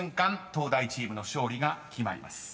東大チームの勝利が決まります］